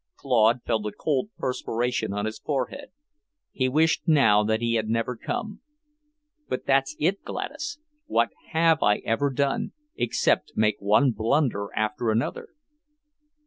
Claude felt a cold perspiration on his forehead. He wished now that he had never come. "But that's it, Gladys. What HAVE I ever done, except make one blunder after another?"